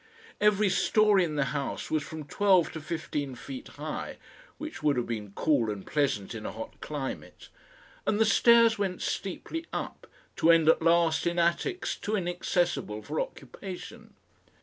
Every storey in the house was from twelve to fifteen feet high (which would have been cool and pleasant in a hot climate), and the stairs went steeply up, to end at last in attics too inaccessible for occupation.